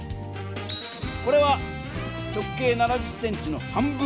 これは直径７０ｃｍの半分。